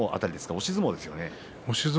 押し相撲ですよね。